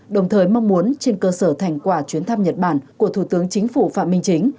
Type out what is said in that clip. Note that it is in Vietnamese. đồng thời mong muốn trên cơ sở thành quả chuyến thăm nhật bản của thủ tướng chính phủ phạm minh chính